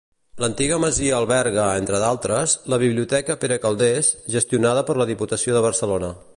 L'antiga masia alberga, entre d'altres, la biblioteca Pere Calders, gestionada per la Diputació de Barcelona.